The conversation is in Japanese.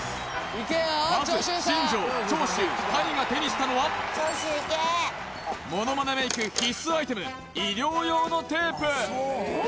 まず新庄長州谷が手にしたのはものまねメイク必須アイテム医療用のテープ